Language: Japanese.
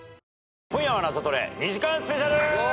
『今夜はナゾトレ』２時間スペシャル！